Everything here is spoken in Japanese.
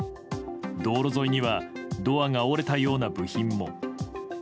道路沿いにはドアが折れたような部品も。